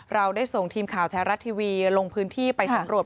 เราได้ส่งทีมข่าวแท้รัฐทีวีลงพื้นที่ไปสำรวจ